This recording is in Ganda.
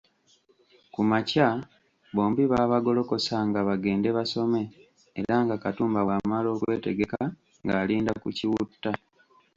Ku makya bombi baabagolokosanga bagende basome era nga Katumba bw'amala okwetegeka ng’alinda ku Kiwutta